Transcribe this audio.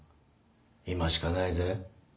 今しかないぜ